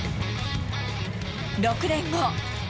６年後。